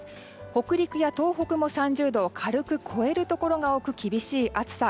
北陸や東北も３０度を軽く超えるところが多く厳しい暑さ。